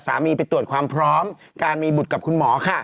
น้ำชาชีวนัทครับผมโพสต์ขอโทษทำเข้าใจผิดหวังคำเวพรเป็นจริงนะครับ